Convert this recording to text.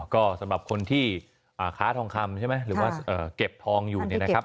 ก็สำหรับคนที่ค้าทองคำใช่ไหมหรือว่าเก็บทองอยู่เนี่ยนะครับ